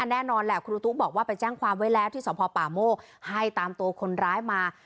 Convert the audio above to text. แน่นอนแหละครูตุ๊กบอกว่าไปแจ้งความไว้แล้วที่สพป่าโมกให้ตามตัวคนร้ายมา